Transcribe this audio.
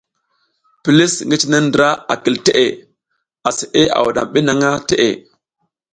Pilis ngi cine ndra a kil teʼe, aseʼe a wuɗam bi nang teʼe.